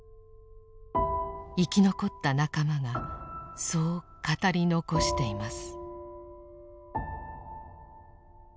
生き残った仲間がそう語り残しています。